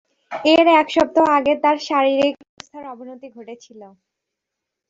এর এক সপ্তাহ আগে তার শারীরিক অবস্থার অবনতি ঘটেছিল।